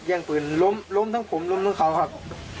อย่างปืนล้มล้มทั้งผมล้มทั้งเขาครับ